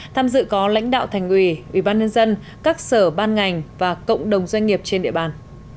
tham dự có lãnh đạo thành ủy ủy ban nhân dân các sở ban ngành và cộng đồng doanh nghiệp trên địa bàn